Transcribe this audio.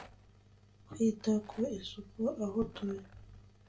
kwita ku isuku aho rutuye